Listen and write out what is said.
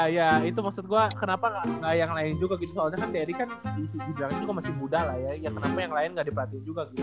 iya iya itu maksud gue kenapa gak yang lain juga gitu soalnya kan derek kan di sudirang ini masih muda lah ya kenapa yang lain gak diperhatiin juga gitu